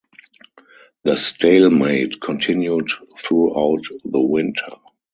The stalemate continued throughout the winter.